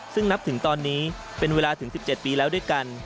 ซึ่งนับถึงตอนนี้เป็นเวลาถึง๑๗ปีแล้วด้วยกัน